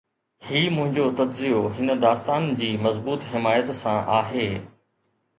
هي منهنجو تجزيو هن داستان جي مضبوط حمايت سان آهي